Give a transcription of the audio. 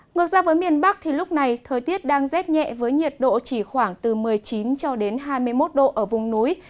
ngược ra với miền bắc thì lúc này thời tiết đang rét nhẹ với nhiệt độ chỉ khoảng từ một mươi chín cho đến hai mươi một độ ở vùng núi